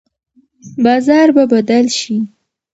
بازار به بدل شي.